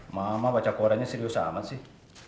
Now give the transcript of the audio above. mama baca korannya serius sama sih